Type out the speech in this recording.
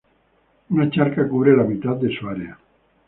Una charca cubre la mitad de su área.